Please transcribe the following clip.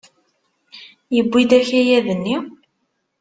Yewwi-d akayad-nni?